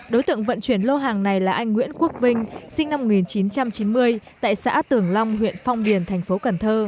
đối tượng vận chuyển lô hàng này là anh nguyễn quốc vinh sinh năm một nghìn chín trăm chín mươi tại xã tưởng long huyện phong điền thành phố cần thơ